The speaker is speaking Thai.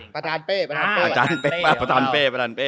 ประชาญเป้